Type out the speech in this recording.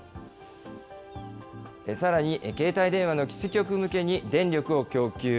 さらに携帯電話の基地局向けに電力を供給。